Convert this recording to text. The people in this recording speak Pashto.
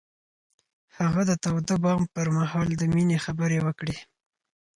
هغه د تاوده بام پر مهال د مینې خبرې وکړې.